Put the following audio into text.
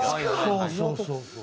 そうそうそうそう。